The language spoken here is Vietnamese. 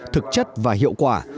thực chất và hiệu quả